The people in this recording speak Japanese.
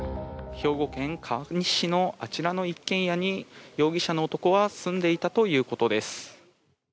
兵庫県川西市のあちらの一軒家に容疑者の男は住んでいたということです。